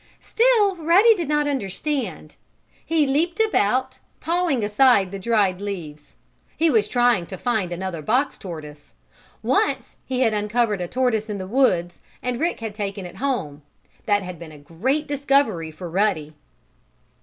Still Ruddy did not understand. He leaped about, pawing aside the dried leaves. He was trying to find another box tortoise. Once he had uncovered a tortoise in the woods, and Rick had taken it home. That had been a great discovery for Ruddy.